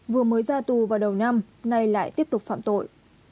vừa mới ra tù vào đầu năm nay lại tiếp tục phạm tội